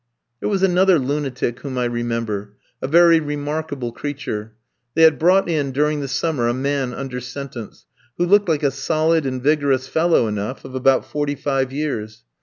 There was another lunatic whom I remember a very remarkable creature. They had brought in, during the summer, a man under sentence, who looked like a solid and vigorous fellow enough, of about forty five years.